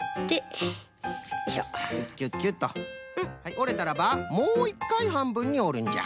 おれたらばもう１かいはんぶんにおるんじゃ。